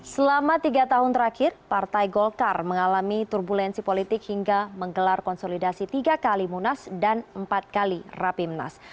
selama tiga tahun terakhir partai golkar mengalami turbulensi politik hingga menggelar konsolidasi tiga kali munas dan empat kali rapimnas